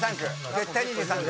絶対２３区。